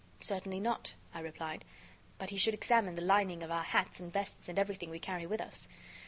"Certainly not," I replied, "but he should examine the lining of our hats and vests and everything we carry with us."